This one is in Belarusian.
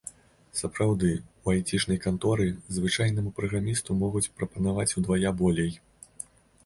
Сапраўды, у айцішнай канторы звычайнаму праграмісту могуць прапанаваць удвая болей.